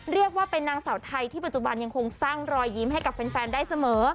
เรียกว่าเป็นนางสาวไทยที่ปัจจุบันยังคงสร้างรอยยิ้มให้กับแฟนได้เสมอ